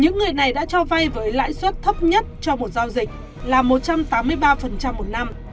những người này đã cho vay với lãi suất thấp nhất cho một giao dịch là một trăm tám mươi ba một năm